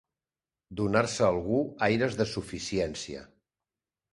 Donar-se algú aires de suficiència.